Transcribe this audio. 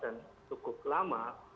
dan cukup lama